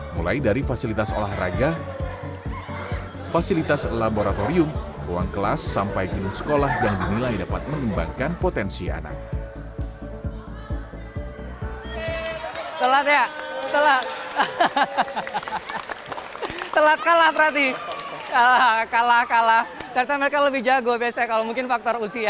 mulai dari fasilitas olahraga fasilitas laboratorium ruang kelas sampai ke sekolah yang dinilai dapat mengembangkan potensi anak